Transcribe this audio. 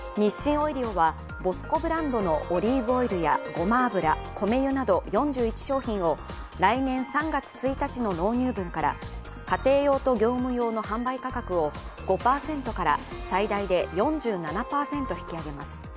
オイリオは、ＢＯＳＣＯブランドのオリーブオイルやごま油、米油など４１商品を来年３月１日の納入分から家庭用と業務用の販売価格を５％から最大で４７％引き上げます。